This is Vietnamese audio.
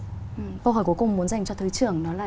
câu hỏi cuối cùng muốn dành cho thứ trưởng đó là